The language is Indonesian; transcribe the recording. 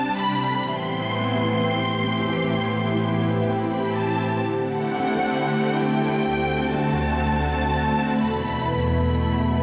tunggu tunggu tunggu tunggu